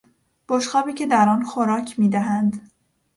بشقابی که در آن خوراک میدهند